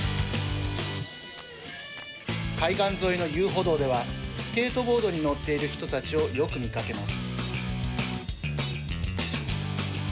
海岸沿いの遊歩道ではスケートボードに乗っている人たちをよく見かけます。